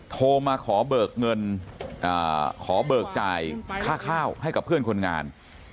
โทรมาขอเบิกเงินขอเบิกจ่ายค่าข้าวให้กับเพื่อนคนงาน